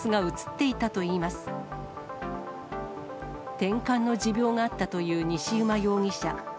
てんかんの持病があったという西馬容疑者。